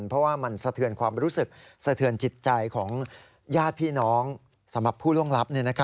เพราะว่ามันสะเทือนความรู้สึกสะเทือนจิตใจของญาติพี่น้องสำหรับผู้ล่วงลับ